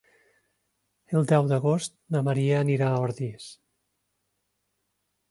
El deu d'agost na Maria anirà a Ordis.